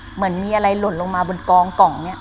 เหมือนมีอะไรหล่นลงมาบนกองกล่องเนี่ย